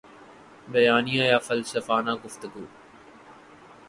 بیانیہ یا فلسفانہ گفتگو